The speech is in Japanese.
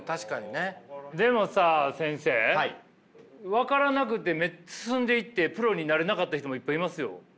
分からなくて進んでいってプロになれなかった人もいっぱいいますよ。